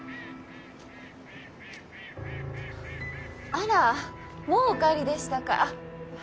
あらもうお帰りでしたか。